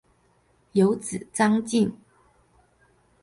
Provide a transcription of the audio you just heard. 有子张缙。